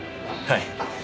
はい。